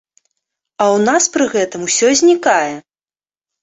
А ў нас пры гэтым усё знікае!